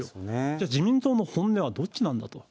じゃあ、自民党の本音はどっちなんだと。